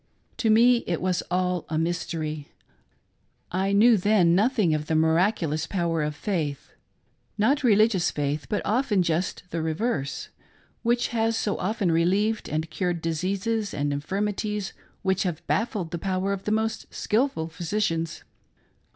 To me it was all a mystery. I knew then nothing of the miraculous ppwer of faith— not religious faith, but often just the reverse, which has so often relieved, and cured diseases and infirmities which have bafl[led the: power of the most skilful physicians.